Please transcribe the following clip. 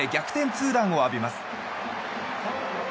ツーランを浴びます。